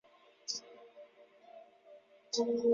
离开城市，回到农村，就是给累透的心灵最好的礼物。